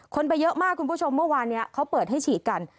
คนไปเยอะมากคุณผู้ชมเมื่อวานนี้เขาเปิดให้ฉีดกัน